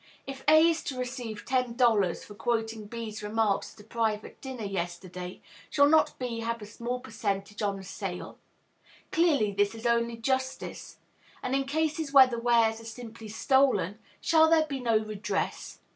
If A is to receive ten dollars for quoting B's remarks at a private dinner yesterday, shall not B have a small percentage on the sale? Clearly, this is only justice. And in cases where the wares are simply stolen, shall there be no redress?